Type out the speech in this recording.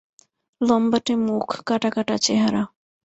লম্বাটে মুখ, কাটা-কাটা চেহারা।